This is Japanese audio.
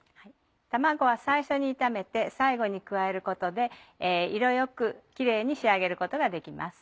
卵は最初に炒めて最後に加えることで色よくキレイに仕上げることができます。